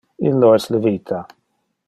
Illo es le vita.